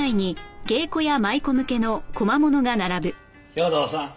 兵藤さん。